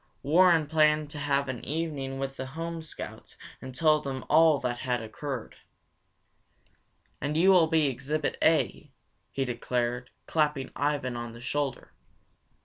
Warren planned to have an evening with the home Scouts and tell them all that had occurred. "And you will be Exhibit A," he declared, clapping Ivan on the shoulder.